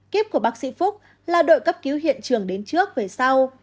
kíp của bác sĩ phúc là đội cấp cứu hiện trường đến trước về sau